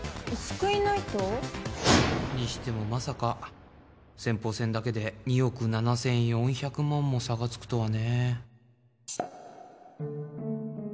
にしてもまさか先鋒戦だけで２億 ７，４００ 万も差がつくとはね